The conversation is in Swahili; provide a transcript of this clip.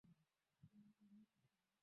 raia wa somalia mohamed jol kwa kosa